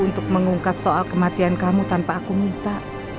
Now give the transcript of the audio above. untuk mengungkap soal kematian kamu tanpa aku minta